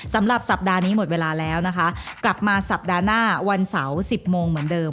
สำหรับสัปดาห์นี้หมดเวลาแล้วนะคะกลับมาสัปดาห์หน้าวันเสาร์๑๐โมงเหมือนเดิม